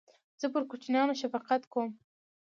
زه پر کوچنیانو شفقت کوم.